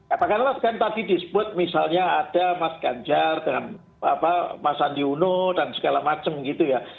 katakanlah kan tadi disebut misalnya ada mas ganjar dan mas sandi uno dan segala macam gitu ya